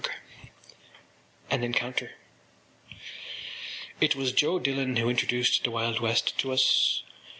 ” AN ENCOUNTER It was Joe Dillon who introduced the Wild West to us.